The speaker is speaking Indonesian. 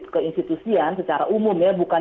keinstitusian secara umum ya bukan